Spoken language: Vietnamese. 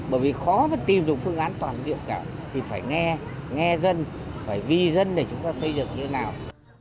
bởi vì khó mà tìm được phương án toàn diện cả thì phải nghe nghe dân phải vì dân để chúng ta xây dựng như thế nào